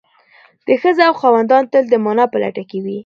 د ښه ذوق خاوندان تل د مانا په لټه کې وي.